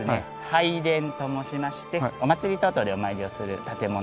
拝殿と申しましてお祭りとあとお参りをする建物です。